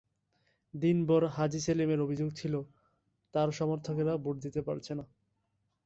দিনভর হাজী সেলিমের অভিযোগ ছিল, তাঁর সমর্থকেরা ভোট দিতে পারছে না।